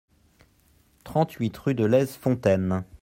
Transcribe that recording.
trente-huit rue de Lez-Fontaine